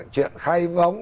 chuyện khai vống